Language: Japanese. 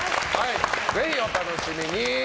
ぜひお楽しみに。